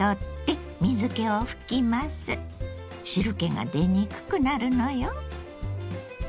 汁けが出にくくなるのよ。